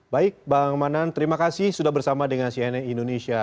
baik bang manan terima kasih sudah bersama dengan cnn indonesia